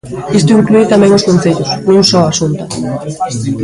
Isto inclúe tamén os concellos, non só a Xunta.